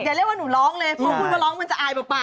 อย่าเรียกว่าหนูร้องเลยเพราะพูดว่าร้องมันจะอายเปล่า